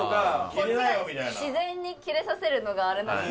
こっちが自然にキレさせるのがあれなのに。